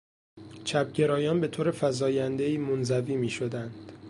چپ گرایان به طور فزایندهای منزوی میشدند.